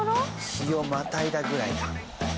日をまたいだぐらいか。